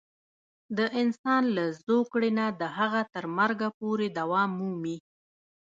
د انسان له زوکړې نه د هغه تر مرګه پورې دوام مومي.